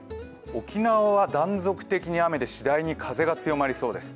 沖縄は断続的に雨で次第に風が強まりそうです。